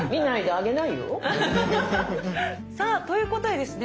あげないよ！さあということでですね